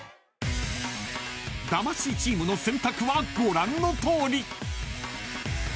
［魂チームの選択はご覧のとおり］